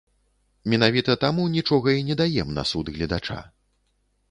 Менавіта таму, нічога і не даем на суд гледача.